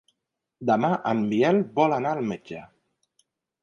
Demà en Biel vol anar al metge.